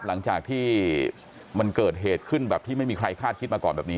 หลังจากที่มันเกิดเหตุขึ้นแบบที่ไม่มีใครคาดคิดมาก่อนแบบนี้